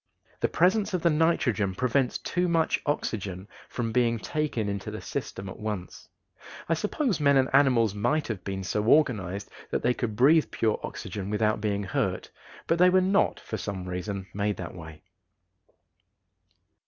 The presence of the nitrogen prevents too much oxygen from being taken into the system at once. I suppose men and animals might have been so organized that they could breathe pure oxygen without being hurt, but they were not, for some reason, made that way.